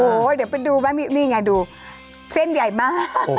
โอ้โหเดี๋ยวไปดูไหมนี่ไงดูเส้นใหญ่มาก